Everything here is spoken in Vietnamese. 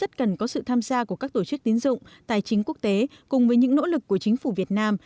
cần có sự tham gia của các tổ chức tín dụng tài chính quốc tế cùng với những nỗ lực của chính phủ việt nam